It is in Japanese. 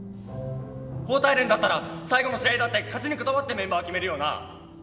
高体連だったら最後の試合だって勝ちにこだわってメンバー決めるよな。